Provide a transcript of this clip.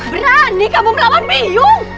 berani kamu melawan biyung